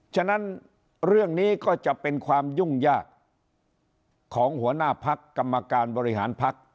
ฉะนั้นเรื่องนี้ก็จะเป็นความยุ่งยากของหัวหน้าพักกรรมการบริหารพัก